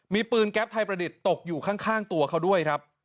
มีปืนแก๊ปไทยประดิษฐ์ตกอยู่ข้างตัวเขาด้วยครับ